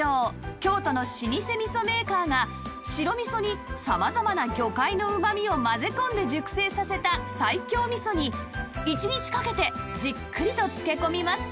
京都の老舗味噌メーカーが白味噌に様々な魚介のうまみを混ぜ込んで熟成させた西京味噌に１日かけてじっくりと漬け込みます